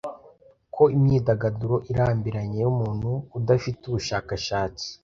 ko imyidagaduro irambiranye yumuntu udafite ubushakashatsi